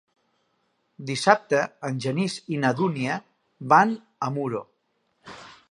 Dissabte en Genís i na Dúnia van a Muro.